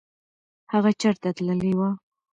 هغه چېرته تللی و؟